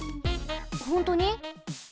ほんとに？